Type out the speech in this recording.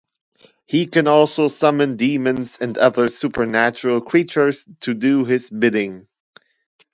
He can also summon demons and other supernatural creatures to do his bidding.